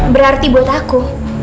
berarti buat aku